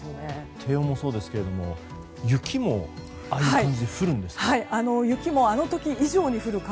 低温もそうですけれども雪もああいう感じで降るんですか？